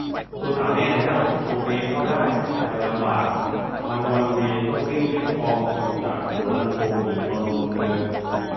โทรถามแม่แล้ว โบ๊เบ๊เข้าได้ แต่ไปลำบาก มันวันเวย์ ต้องวิ่งเลียบคลองผดุงจากหัวลำโพงหรือบำรุงเมือง